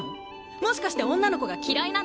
もしかして女の子が嫌いなの？